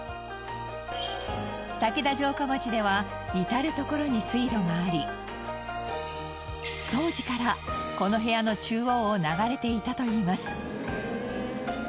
竹田城下町では至る所に水路があり当時からこの部屋の中央を流れていたといいます。